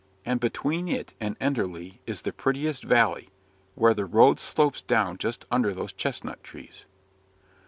And between it and Enderley is the prettiest valley, where the road slopes down just under those chestnut trees."